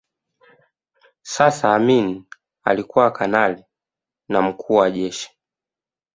Sasa Amin alikuwa kanali na Mkuu wa Jeshi